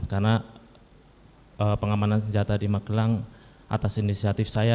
karena pengamanan senjata di magelang atas inisiatif saya